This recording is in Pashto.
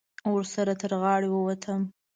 ورسره تر غاړې ووتم.